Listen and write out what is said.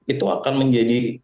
itu akan menjadi